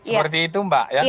seperti itu mbak